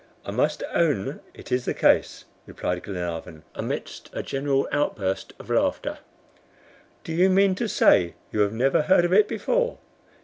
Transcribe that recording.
"I must own it is the case," replied Glenarvan, amidst a general outburst of laughter. "Do you mean to say you have never heard of it before?"